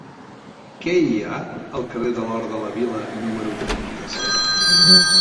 Què hi ha al carrer de l'Hort de la Vila número trenta-set?